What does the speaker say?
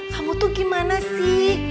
kamu tuh gimana sih